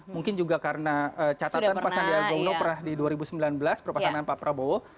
mungkin juga karena catatan pasandia gauno pernah di dua ribu sembilan belas perpasangan pak prabowo